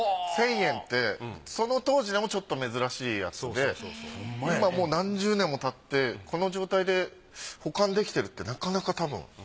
１０００円ってその当時でもちょっと珍しいやつで今もう何十年も経ってこの状態で保管できてるってなかなかたぶん。